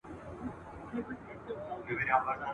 موږ به د اسد اته ويشتمه په خوښۍ سره لمانځو.